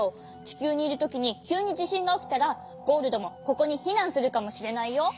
ちきゅうにいるときにきゅうにじしんがおきたらゴールドもここにひなんするかもしれないよ。